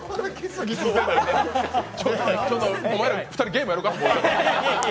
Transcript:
ちょっとお前ら２人ゲームやるか？